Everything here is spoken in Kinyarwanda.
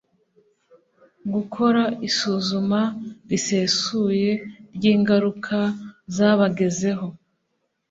gukora isuzuma risesuye ry ingaruka zabagezeho